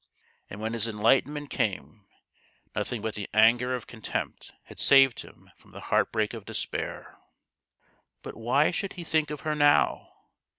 And when his enlightenment came, nothing but the anger of contempt had saved him from the heartbreak of despair. But why should he think of her now